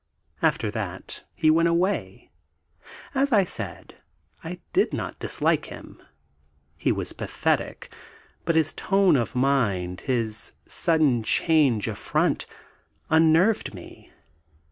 After that he went away. As I had said, I did not dislike him he was pathetic; but his tone of mind, his sudden change of front, unnerved me.